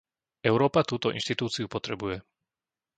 Európa túto inštitúciu potrebuje.